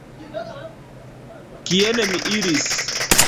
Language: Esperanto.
Kien mi iris?